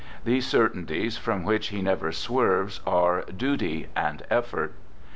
These certainties, from which he never swerves, are " duty and effort."